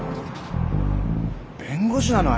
弁護士なの？